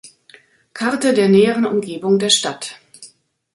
Karte der näheren Umgebung der Stadt